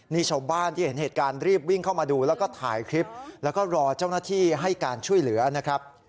นี่ชาวบ้านที่เห็นเหตุการณ์รีบวิ่งเข้ามาดูแล้วก็ถ่ายคลิปแล้วก็รอเจ้าหน้าที่ให้การช่วยเหลือนะครับ